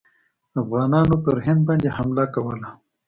افغانانو پر هند باندي حمله کوله.